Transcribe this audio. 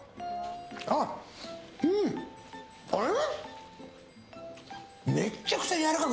あ、うん、あれ？